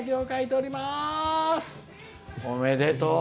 おめでとう！